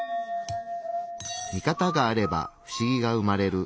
ミカタがあれば不思議が生まれる「カガクノミカタ」。